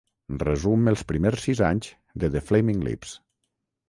Resum els primers sis anys de The Flaming Lips.